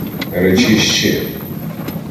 — Речи ще.